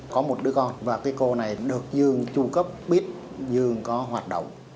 có một đứa con và cái cô này được dương tru cấp biết dương có hoạt động